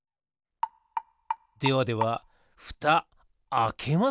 ではではふたあけますよ。